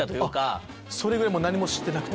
それぐらい何も知ってなくて。